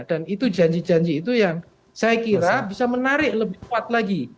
dan itu janji janji itu yang saya kira bisa menarik lebih kuat lagi